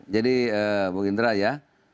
jadi bukindra ya